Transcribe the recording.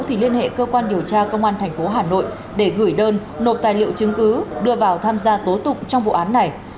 thì liên hệ cơ quan điều tra công an tp hà nội để gửi đơn nộp tài liệu chứng cứ đưa vào tham gia tố tụng trong vụ án này